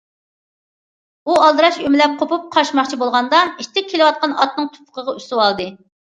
ئۇ ئالدىراش ئۆمىلەپ قوپۇپ قاچماقچى بولغاندا ئىتتىك كېلىۋاتقان ئاتنىڭ تۇيىقىغا ئۈسۈۋالدى.